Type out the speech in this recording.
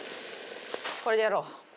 これでやろう。